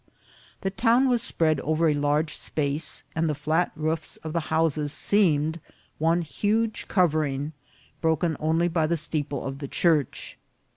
The town was spread over a large space, and the flat roofs of the houses seemed one huge covering, broken only by the steeple of the church.